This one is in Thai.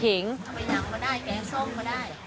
เอาไปยังก็ได้แกงส้มก็ได้